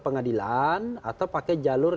pengadilan atau pakai jalur